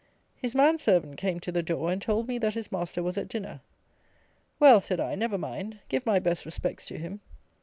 His man servant came to the door, and told me that his master was at dinner. "Well," said I, "never mind; give my best respects to him."